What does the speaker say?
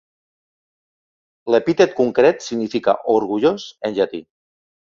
L'epítet concret significa "orgullós" en llatí.